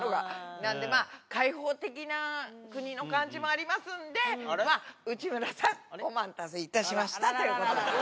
なので開放的な国の感じもありますんでまぁ内村さんお待たせいたしましたということで。